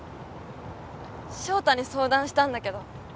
翔太に相談したんだけど。